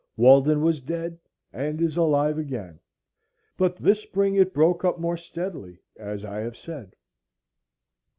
Walden was dead and is alive again. But this spring it broke up more steadily, as I have said.